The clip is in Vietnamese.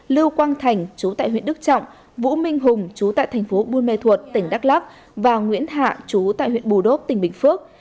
lưu quang thành chú tại huyện đức trọng vũ minh hùng chú tại tp buôn mê thuột tỉnh đắk lắk và nguyễn hạ chú tại huyện bù đốc tỉnh bình phước